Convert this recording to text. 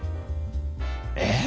えっ！？